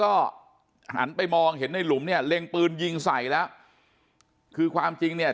ก็หันไปมองเห็นในหลุมเนี่ยเล็งปืนยิงใส่แล้วคือความจริงเนี่ย